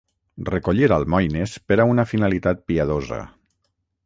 Recollir almoines per a una finalitat piadosa.